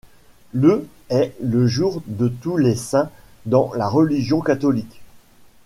Le est le jour de tous les saints dans la religion catholique.